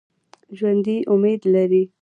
ژوندي امید لري